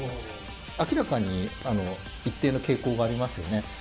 明らかに一定の傾向がありますよね。